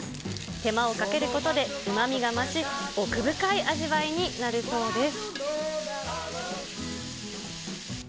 手間をかけることで、うまみが増し、奥深い味わいになるそうです。